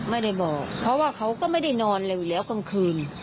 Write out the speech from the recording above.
ไม่ได้บอกเพราะว่าเขาก็ไม่ได้นอนอะไรอยู่แล้วกลางคืน